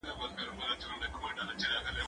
موبایل وکاروه؟!